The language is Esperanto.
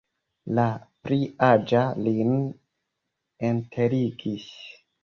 La pli aĝa lin enterigis.